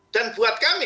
dan buat kami